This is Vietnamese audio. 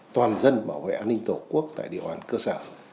toàn dân bảo vệ an ninh tổ quốc tại điều an cơ sở